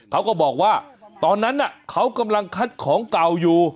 เขาก็บอกว่าตอนนั้นเขากำลังคัดของเก่าอยู่